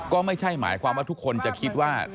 ก็ไม่ใช่หมายความว่าทุกคนจะคิดว่า